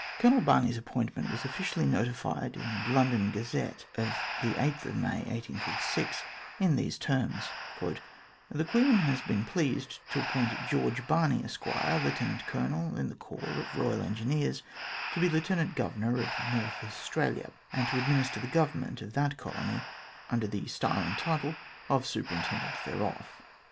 Colonel Barney's appointment was officially notified in the London Gazette of May 8, 1846, in these terms :" The Queen has been pleased to appoint George Barney, Esq., Lieutenant Colonel in the corps of Royal Engineers, to be Lieutenant Governor of North Australia, and to administer the Govern ment of that colony under the style and title of Superintendent thereof."